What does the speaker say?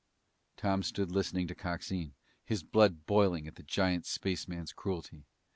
Tom stood listening to Coxine, his blood boiling at the giant spaceman's cruelty.